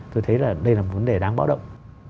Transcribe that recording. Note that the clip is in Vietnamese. tôi thấy là đây là một vấn đề đáng báo động